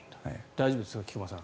大丈夫ですか、菊間さん。